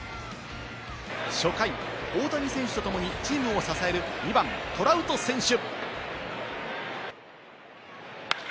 初回、大谷選手とともにチームを支える２番・トラウト選手。